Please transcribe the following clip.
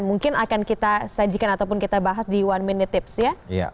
mungkin akan kita sajikan ataupun kita bahas di one minute tips ya